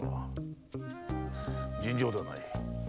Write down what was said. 尋常ではない。